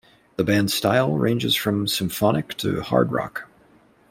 The band's style ranges from symphonic to hard rock.